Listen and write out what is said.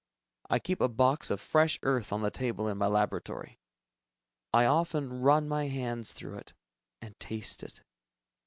I keep a box of fresh earth on the table in my laboratory. I often run my hands through it, and taste it.